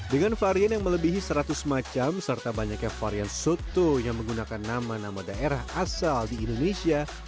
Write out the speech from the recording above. dengan varian yang melebihi seratus macam serta banyaknya varian soto yang menggunakan nama nama daerah asal di indonesia